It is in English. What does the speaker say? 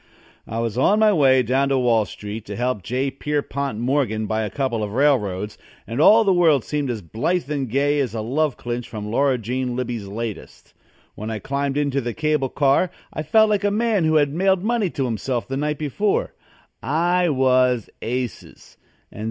I was on my way down to Wall Street to help J. Pierpont Morgan buy a couple of railroads and all the world seemed as blithe and gay as a love clinch from Laura Jean Libbey's latest. When I climbed into the cable car I felt like a man who had mailed money to himself the night before. I was aces.